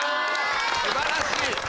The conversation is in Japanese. すばらしい！